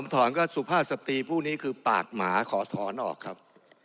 ถอนก็สุภาพสตรีผู้นี้คือปากหมาขอถอนออกครับ